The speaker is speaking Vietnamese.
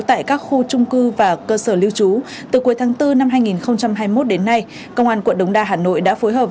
tại các khu trung cư và cơ sở lưu trú từ cuối tháng bốn năm hai nghìn hai mươi một đến nay công an quận đống đa hà nội đã phối hợp